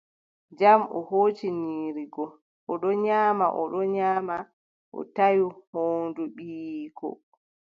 Jam, o hooci nyiiri goo, o ɗon nyaama, o ɗon nyaama, o tawi hoondu ɓiyiiko .